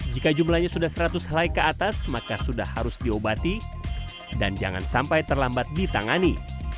jika jumlahnya sudah seratus helai ke atas maka sudah harus diobati dan jangan sampai terlambat ditangani